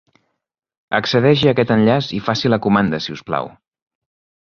Accedeixi a aquest enllaç i faci la comanda si us plau.